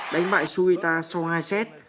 đánh bại sugita sau hai set